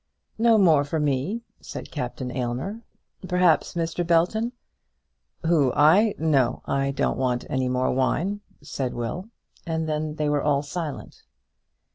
"No more for me," said Captain Aylmer. "Perhaps Mr. Belton " "Who; I? No; I don't want any more wine," said Will; and then they were all silent.